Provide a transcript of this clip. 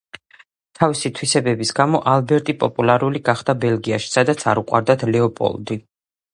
თავისი თვისებების გამო, ალბერტი პოპულარული გახდა ბელგიაში, სადაც არ უყვარდათ ლეოპოლდი.